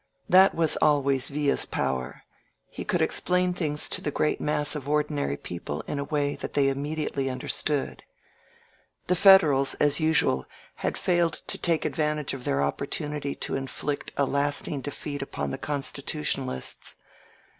That was always Villa's power — ^he could explain things to the great mass of ordinary people in a way that they im mediately understood. The Federals, as usual, had failed to take advantage of their opportunity to inflict a lasting defeat upon the Constitutionalists.